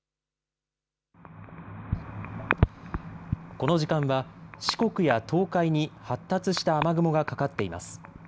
この時間は四国や東海に発達した雨雲がかかっています。